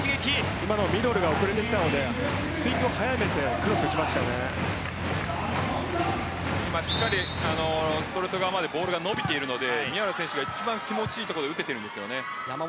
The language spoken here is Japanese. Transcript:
今のミドルが遅れてきたのでスピードを速めてしっかりストレート側までボールが伸びているので宮浦選手が一番気持ちいいところで打てているんです。